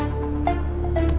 aku mau ke rumah